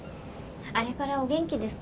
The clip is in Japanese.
あれからお元気ですか？